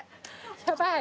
やばい。